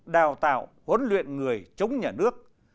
đào tạo huấn luyện người chống nhà nước